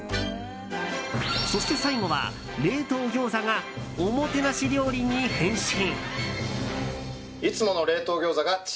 そして最後は、冷凍ギョーザがおもてなし料理に変身。